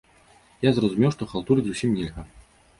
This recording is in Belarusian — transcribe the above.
Я зразумеў, што халтурыць зусім нельга!